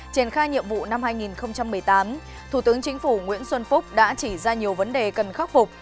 triển khai nhiệm vụ năm hai nghìn một mươi tám thủ tướng chính phủ nguyễn xuân phúc đã chỉ ra nhiều vấn đề cần khắc phục